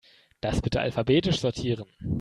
Das bitte alphabetisch sortieren.